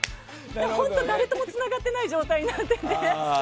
本当、誰ともつながっていない状態になってるので。